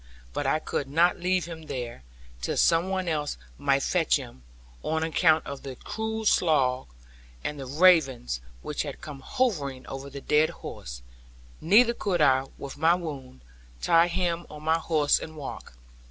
But I could not leave him there, till some one else might fetch him; on account of the cruel slough, and the ravens which had come hovering over the dead horse; neither could I, with my wound, tie him on my horse and walk.